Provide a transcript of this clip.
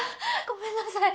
ごめんなさい！